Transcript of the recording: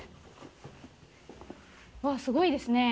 わっすごいですね。